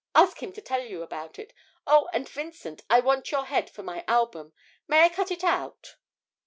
Ask him to tell you about it. Oh, and, Vincent, I want your head for my album. May I cut it out?'